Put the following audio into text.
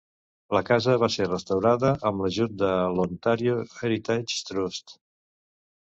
La casa va ser restaurada amb l'ajut de l'Ontario Heritage Trust.